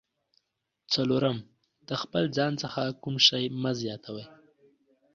څلورم: د خپل ځان څخه کوم شی مه زیاتوئ.